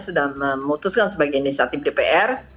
sudah memutuskan sebagai inisiatif dpr